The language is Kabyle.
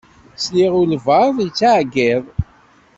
Sliɣ i wabɛaḍ yettɛeggiḍ.